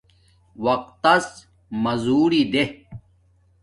وقت تس مزدوری دے